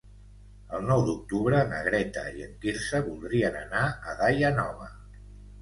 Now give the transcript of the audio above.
El nou d'octubre na Greta i en Quirze voldrien anar a Daia Nova.